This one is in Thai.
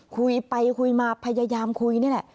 คุยไปคุยมาพยายามคุยนี่แหละ